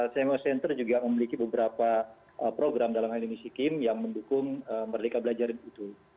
semes center juga memiliki beberapa program dalam hal ini si kim yang mendukung merdeka belajar itu